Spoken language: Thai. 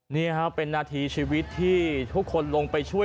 นี่ครับเป็นนาทีชีวิตที่ทุกคนลงไปช่วย